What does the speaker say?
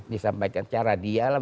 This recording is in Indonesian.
disampaikan cara dia lah